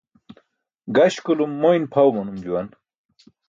Gaśkulum moyn pʰaw manum juwan.